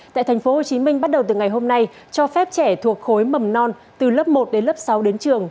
tại tp hcm bắt đầu từ ngày hôm nay cho phép trẻ thuộc khối mầm non từ lớp một đến lớp sáu đến trường